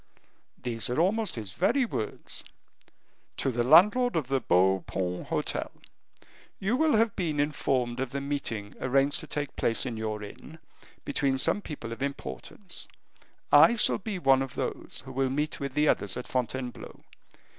"These are almost his very words. 'To the landlord of the Beau Paon Hotel, You will have been informed of the meeting arranged to take place in your inn between some people of importance; I shall be one of those who will meet with the others at Fontainebleau.